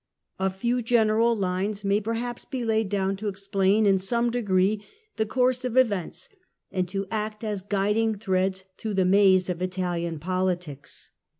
A few general hues may perhaps be laid down to explain in some degree the course of events, and to act as guiding threads through the maze of Italian politics.